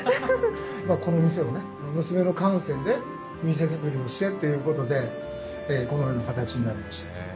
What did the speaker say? まあこの店をね娘の感性で店作りをしてっていうことでこのような形になりました。